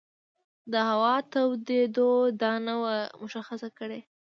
د هوا تودېدو دا نه وه مشخصه کړې.